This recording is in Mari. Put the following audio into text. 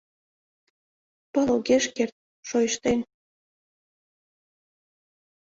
Пыл огеш керт шойыштен.